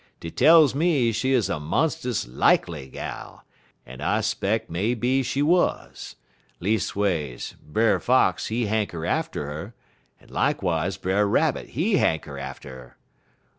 Dey tells me she 'uz a monst'us likely gal, en I 'speck may be she wuz; leas'ways, Brer Fox, he hanker atter 'er, en likewise Brer Rabbit, he hanker atter 'er.